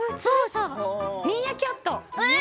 ミーアキャット。